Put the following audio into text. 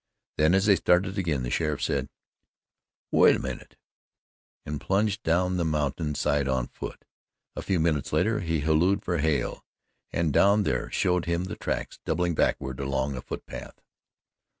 Then as they started again, the sheriff said: "Wait a minute," and plunged down the mountain side on foot. A few minutes later he hallooed for Hale, and down there showed him the tracks doubling backward along a foot path.